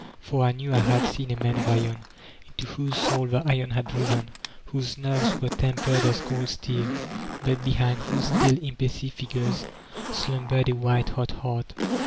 For I knew I had seen a Man of Iron, into whose soul the iron had driven, whose nerves were tempered as cold steel, but behind whose still, impassive features slumbered a white hot heart.